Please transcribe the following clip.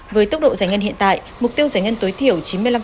với tốc độ giải ngân hiện tại mục tiêu giải ngân tối thiểu chín mươi năm